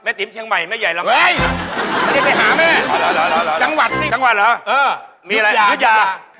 แม่ติ๊มเชียงมัยแม่ใหญ่ล้างขาว